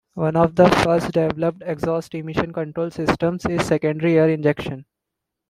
One of the first-developed exhaust emission control systems is secondary air injection.